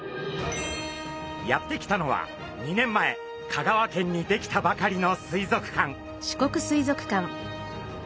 やって来たのは２年前香川県に出来たばかりの水族館。